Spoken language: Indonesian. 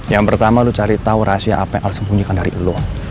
yang pertama lo cari tahu rahasia apa yang harus sembunyikan dari lo